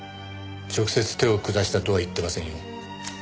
直接手を下したとは言ってませんよ。